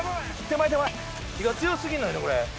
火が強すぎるのよ、これ。